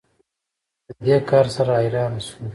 په دې کار سره حیرانه شو